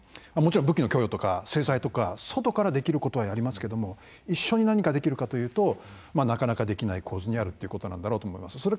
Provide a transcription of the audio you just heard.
もちろん武器の供与とか制裁とか外からできることはやりますけども一緒に何かできるかというとなかなかできない構図にあるんだと思います。